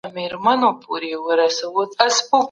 حقوقپوهان به د وګړو غوښتنو ته غوږ نیسي.